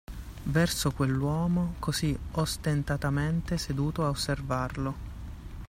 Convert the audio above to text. Verso quell’uomo così ostentatamente seduto a osservarlo.